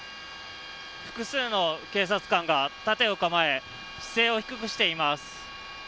複数の警察官が盾を構え姿勢を低くしています。